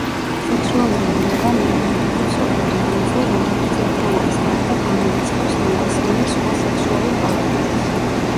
სექსუალური მონოგამია მიუთითებს ორ ადამიანზე, რომლებიც ერთმანეთის გარდა გამორიცხავს ნებისმიერ სხვა სექსუალურ პარტნიორს.